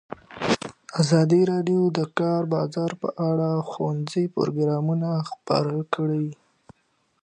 ازادي راډیو د د کار بازار په اړه ښوونیز پروګرامونه خپاره کړي.